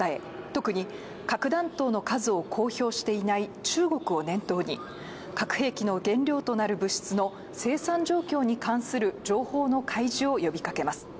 特に核弾頭の数を公表していない中国を念頭に核兵器の原料となる物質の生産状況に関する情報の開示を呼びかけます。